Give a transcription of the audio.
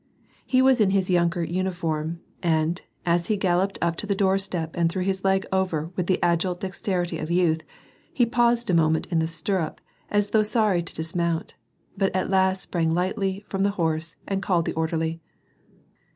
He was in his yunker uniform, and, as he gal loped up to the doorstep and threw over his leg with the agile dexterity of youth, he paused a moment in the stirrup, as though sorry to dismount, but at last sprung lightly from the horse and called the orderly.